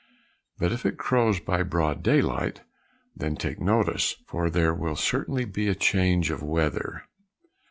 But if it crows by broad daylight, then take notice, for there will certainly be a change of weather."